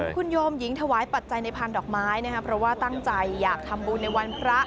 คุณโยมหญิงถวายปัจจัยในพันธอกไม้นะครับเพราะว่าตั้งใจอยากทำบุญในวันพระ